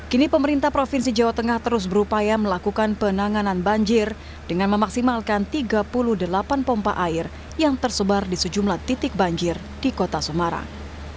kini pemerintah provinsi jawa tengah terus berupaya melakukan penanganan banjir dengan memaksimalkan tiga puluh delapan pompa air yang tersebar di sejumlah titik banjir di kota semarang